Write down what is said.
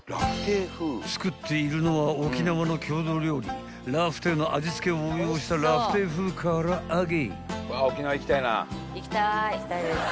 ［作っているのは沖縄の郷土料理ラフテーの味付けを応用したラフテー風空上げ］